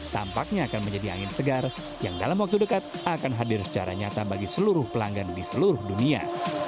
tampaknya akan menjadi angin segar yang dalam waktu dekat akan hadir secara nyata bagi seluruh pelanggan di seluruh dunia